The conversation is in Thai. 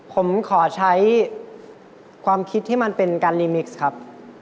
ผมขอใช้ความคิดที่มันเป็นการรีมิกซ์ครับ